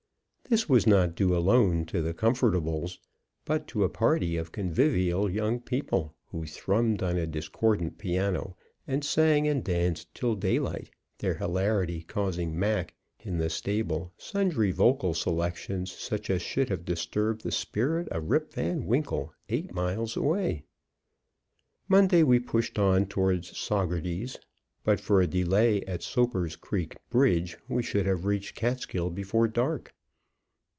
This was not due alone to the comfortables, but to a party of convivial young people, who thrummed on a discordant piano, and sang, and danced till daylight, their hilarity causing Mac in the stable sundry vocal selections, such as should have disturbed the spirit of Rip Van Winkle, eight miles away. Monday we pushed on toward Saugerties. But for a delay at Soaper's Creek Bridge, we should have reached Catskill before dark.